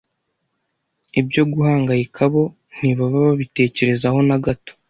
ibyo guhangayika bo ntibaba babitekerezaho nagato